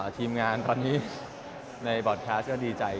ทีมงานตอนนี้ในบอร์ดแคสก็ดีใจ